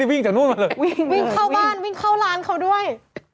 วิ่งเข้าบ้านวิ่งเข้าร้านเขาด้วย